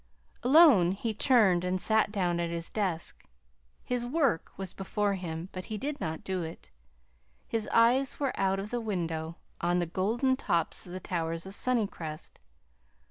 Alone, he turned and sat down at his desk. His work was before him, but he did not do it. His eyes were out of the window on the golden tops of the towers of Sunnycrest.